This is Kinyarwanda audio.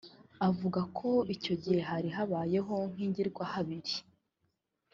Avuga ko icyo gihe yari abayeho nk’inigwahabiri